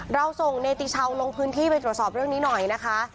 เราส่งเนติชาวลงพื้นที่ไปตรวจสอบเรื่องนี้หน่อยนะคะ